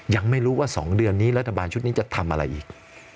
ยังไม่รู้ว่า๒เดือนนี้รัฐบาลชุดนี้จะทำอะไรอีก